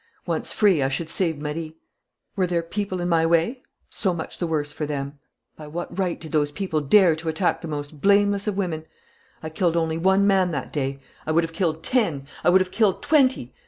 Once free, I should save Marie. Were there people in my way? So much the worse for them. "By what right did those people dare to attack the most blameless of women? I killed only one man that day! I would have killed ten! I would have killed twenty!